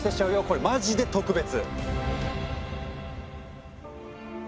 これマジで特別！